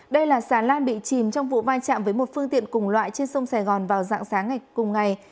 đây là xà lan bị chìm trong vụ va chạm với một phương tiện cùng loại trên sông sài gòn vào dạng sáng ngày cùng ngày